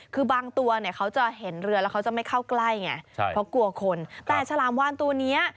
คือบ้างตัวเขาจะเห็นเรือแล้วจะไม่เข้าใกล้เพราะกลัวคนแต่ชาลามวานตัวนี้